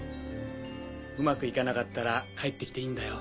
うまく行かなかったら帰って来ていいんだよ。